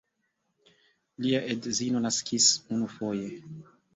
Lia edzino naskis unufoje.